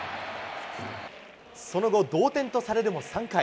その後、同点とされるも、３回。